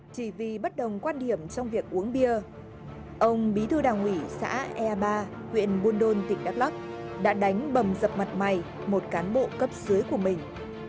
chỉ vì bất đồng quan điểm trong việc uống bia ông bí thư đảng ủy xã e ba huyện buôn đôn tỉnh đắk lắc đã đánh bầm dập mặt mày một cán bộ cấp dưới của mình